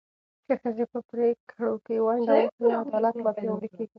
که ښځې په پرېکړو کې ونډه واخلي، عدالت لا پیاوړی کېږي.